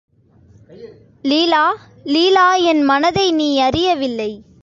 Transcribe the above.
லீலா, லீலா என் மனதை நீ யறியவில்லை.